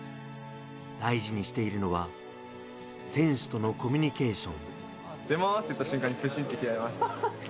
大事にしているのは選手とのコミュニケーション。